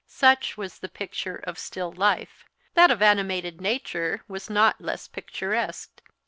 Such was the picture of still life. That of animated nature was not less picturesque.